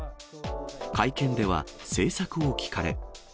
会見では、政策を聞かれ。